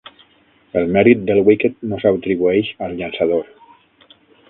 El mèrit del wicket no s'atribueix al llançador.